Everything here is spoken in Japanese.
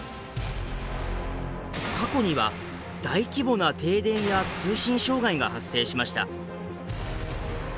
過去には大規模な停電や通信障害が発生しました。